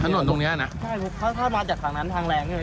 ถนนตรงเนี้ยนะใช่ถ้ามาจากฝั่งนั้นทางแรง